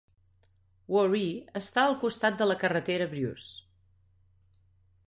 Woree està al costat de la carretera Bruce.